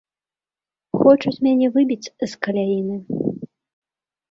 Хочуць мяне выбіць з каляіны.